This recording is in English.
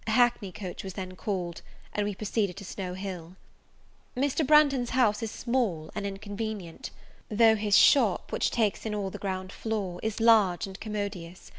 A hackney coach was then called, and we proceeded to Snow Hill. Mr. Branghton's house is small and inconvenient; though his shop, which takes in all the ground floor, is large and commodious.